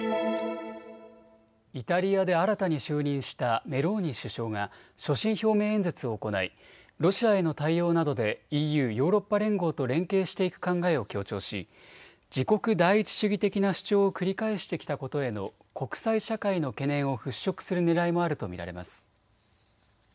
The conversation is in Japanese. イタリアで新たに就任したメローニ首相が所信表明演説を行いロシアへの対応などでＥＵ・ヨーロッパ連合と連携していく考えを強調し自国第一主義的な主張を繰り返してきたことへの国際社会の懸念を払拭するねらいもあると見られます。